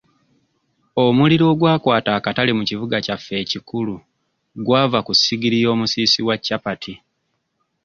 Omuliro ogwakwata akatale mu kibuga kyaffe ekikukulu gwava ku ssigiri y'omusiisi wa capati.